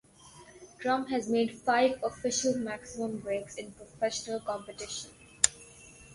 Trump has made five official maximum breaks in professional competition.